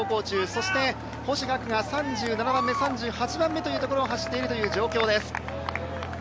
そして星岳が３７番目、３８番目というところを走っている状況。